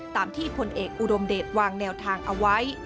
ตามที่พลเอกอุดมเดชวางแนวทางเอาไว้